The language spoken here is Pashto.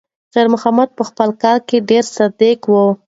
خیر محمد په خپل کار کې ډېر صادق دی.